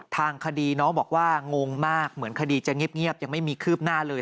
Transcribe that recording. ทางคดีน้องบอกว่างงมากเหมือนคดีจะเงียบยังไม่มีคืบหน้าเลย